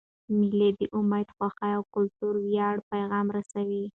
مېلې د امید، خوښۍ، او کلتوري ویاړ پیغام رسوي.